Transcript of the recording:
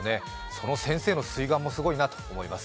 その先生のすい眼もすごいなと思います。